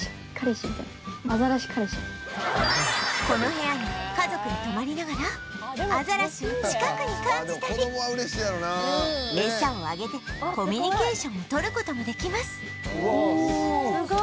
この部屋に家族で泊まりながらアザラシを近くに感じたり餌をあげてコミュニケーションをとる事もできます